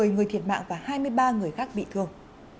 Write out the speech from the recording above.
một mươi người thiệt mạng và hai mươi ba người khác bị thương